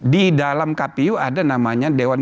di dalam kpu ada namanya dewan